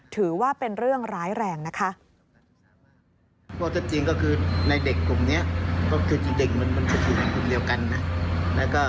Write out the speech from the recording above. ถือว่าเป็นเรื่องร้ายแรงนะคะ